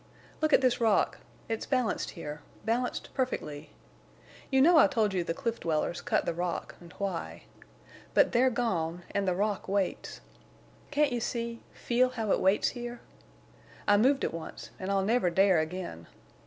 "Look at this rock. It's balanced here—balanced perfectly. You know I told you the cliff dwellers cut the rock, and why. But they're gone and the rock waits. Can't you see—feel how it waits here? I moved it once, and I'll never dare again.